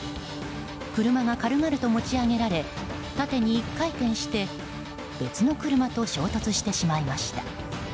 車が軽々と持ち上げられ縦に１回転して別の車と衝突してしまいました。